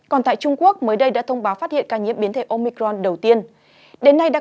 còn tại trung quốc mới đây đã thông báo phát hiện ca nhiễm biến thể omicron đầu tiên đến nay